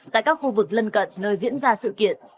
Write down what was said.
tại các khu vực lân cận nơi diễn ra sự kiện